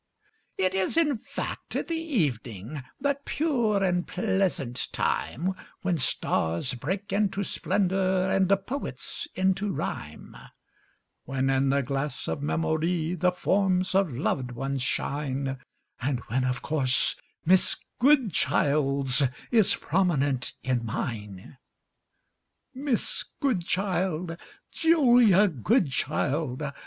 It is (in fact) the eveningŌĆöthat pure and pleasant time, When stars break into splendour, and poets into rhyme; When in the glass of Memory the forms of loved ones shineŌĆö And when, of course, Miss GoodchildŌĆÖs is prominent in mine. Miss Goodchild! ŌĆöJulia Goodchild!